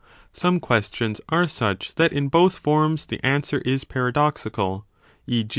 Some questions are such that in both forms the answer is paradoxical ; e.